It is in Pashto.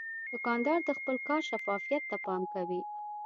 دوکاندار د خپل کار شفافیت ته پام کوي.